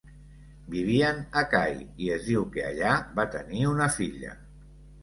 Vivien a Kai i es diu que allà va tenir una filla.